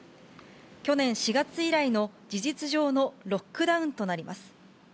去年４月以来の、事実上のロックダウンとなります。